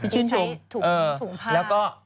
ใช้ถุงผ้า